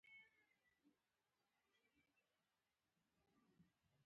چین د صنعتي انقلاب پر وړاندې غبرګون وښود.